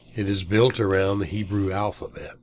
It is built around the Hebrew alphabet.